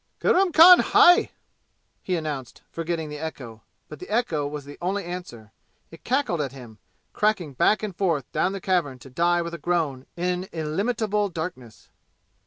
"Kurram Khan hai!" he announced, forgetting the echo. But the echo was the only answer. It cackled at him, cracking back and forth down the cavern to die with a groan in illimitable darkness.